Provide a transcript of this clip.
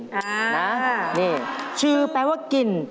น่ะนี่ชื่อแปลว่ากิน